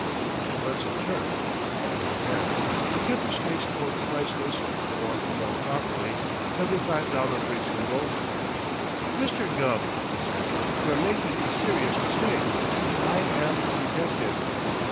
Mr. Witzel turned all but his head. He kept his face toward the priceless (or, more properly) seventy five dollar Briggs & Bolton. "Mr. Gubb," he said, "you are making a serious mistake. I am a detective."